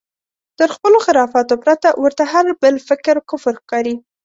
تر خپلو خرافاتو پرته ورته هر بل فکر کفر ښکاري.